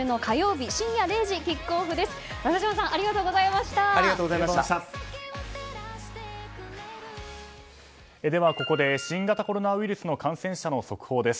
では、ここで新型コロナウイルスの感染者の速報です。